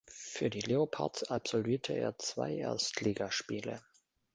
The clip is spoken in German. Für die Leopards absolvierte er zwei Erstligaspiele.